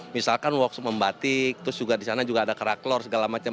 misalkan workshop membatik terus disana juga ada karaklor segala macam